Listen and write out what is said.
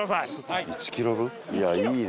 いやいいね